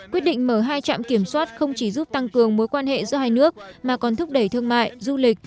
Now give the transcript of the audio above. quyết định mở hai trạm kiểm soát không chỉ giúp tăng cường mối quan hệ giữa hai nước mà còn thúc đẩy thương mại du lịch